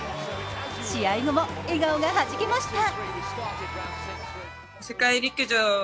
試合後も笑顔がはじけました。